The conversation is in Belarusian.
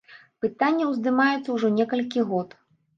Пытанне ўздымаецца ўжо некалькі год.